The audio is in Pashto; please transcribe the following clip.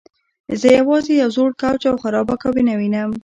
زه یوازې یو زوړ کوچ او خرابه کابینه وینم